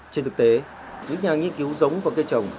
trên thực tế những nhà nghiên cứu giống và cây trồng